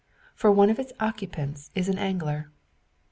For one of its occupants is an angler.